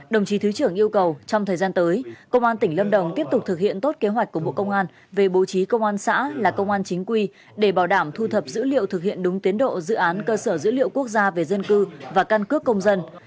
đồng chí thứ trưởng yêu cầu trong thời gian tới công an tỉnh lâm đồng tiếp tục thực hiện tốt kế hoạch của bộ công an về bố trí công an xã là công an chính quy để bảo đảm thu thập dữ liệu thực hiện đúng tiến độ dự án cơ sở dữ liệu quốc gia về dân cư và căn cước công dân